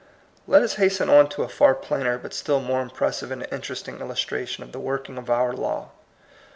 Let us hasten on to a far plainer but still more impressive and interesting illus tration of the working of our law.